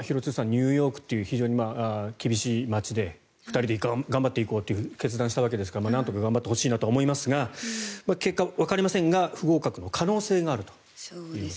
ニューヨークという非常に厳しい街で２人で頑張っていこうと決断したわけですからなんとか頑張ってほしいなと思いますが結果、わかりませんが不合格の可能性があると。